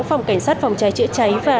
phòng cảnh sát phòng cháy chữa cháy và